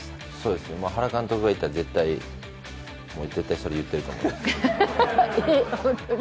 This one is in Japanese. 原監督がいたら絶対、絶対それ言ってると思います。